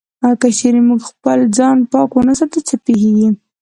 که چېرې موږ خپل ځان پاک و نه ساتو، څه پېښيږي؟